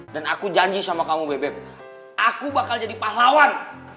dan aku janji sama kamu bebek aku bakal jadi pahlawan